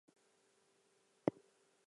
The film music was composed by Hanns Eisler.